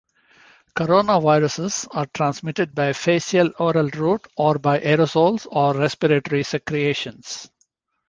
Coronaviruses are transmitted by faecal-oral route or by aerosols of respiratory secretions.